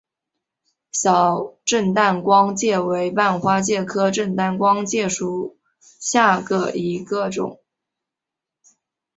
小震旦光介为半花介科震旦光介属下的一个种。